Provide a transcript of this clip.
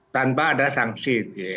tanpa ada sanksi itu ya